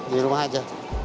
di rumah aja